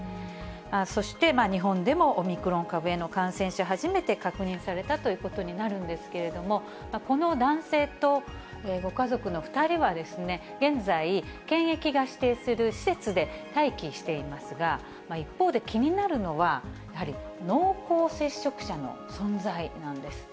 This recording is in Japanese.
そして、日本でもオミクロン株への感染者初めて確認されたということになるんですけれども、この男性とご家族の２人は、現在、検疫が指定する施設で待機していますが、一方で、気になるのは、やはり、濃厚接触者の存在なんです。